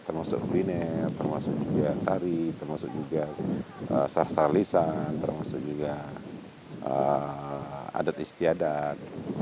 termasuk binet termasuk juga tari termasuk juga sarsalisa termasuk juga adat istiadat